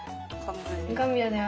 完全に。